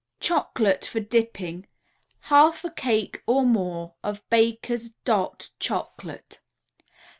CHOCOLATE FOR DIPPING 1/2 a cake or more of Baker's "Dot" Chocolate.